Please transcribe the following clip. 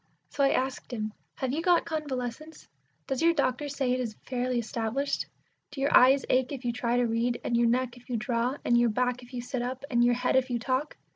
So I asked him, "Have you got convalescence? Does your doctor say it is fairly established? Do your eyes ache if you try to read, and your neck if you draw, and your back if you sit up, and your head if you talk?